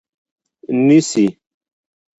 نیسي